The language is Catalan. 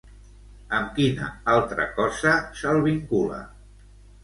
Amb quina altra cosa se'l vincula?